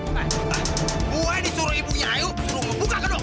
gua yang disuruh ibunya ayu suruh bukakan dong